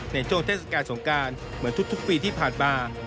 ในช่วงเทศกาลสงการเหมือนทุกปีที่ผ่านมา